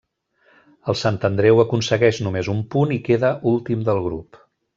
El Sant Andreu aconsegueix només un punt i queda últim del grup.